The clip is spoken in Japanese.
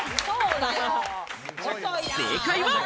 正解は。